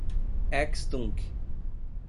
ex tunc